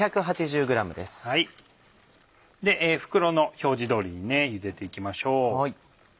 袋の表示通りにゆでて行きましょう。